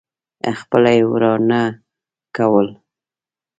څپلۍ وارونه کول.